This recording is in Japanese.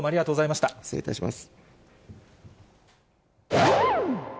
失礼いたします。